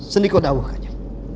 sendiko dawah kakak